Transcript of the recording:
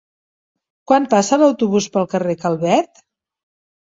Quan passa l'autobús pel carrer Calvet?